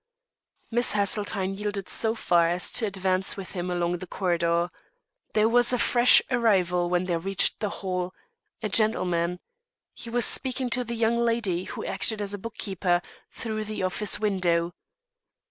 Miss Haseltine yielded so far as to advance with him along the corridor. There was a fresh arrival when they reached the hall a gentleman. He was speaking to the young lady, who acted as book keeper, through the office window.